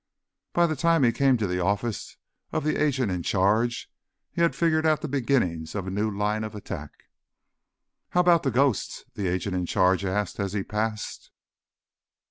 By the time he came to the office of the agent in charge, he had figured out the beginnings of a new line of attack. "How about the ghosts?" the agent in charge asked as he passed.